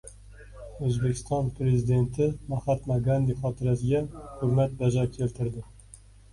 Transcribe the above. O‘zbekiston prezidenti Mahatma Gandi xotirasiga hurmat bajo keltirdi